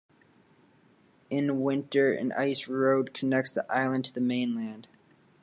In winter an ice road connects the island to the mainland.